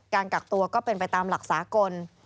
กักตัวก็เป็นไปตามหลักสากล